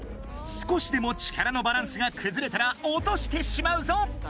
少しでも力のバランスがくずれたら落としてしまうぞ。